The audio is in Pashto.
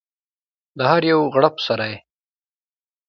د هر یو غړپ سره یې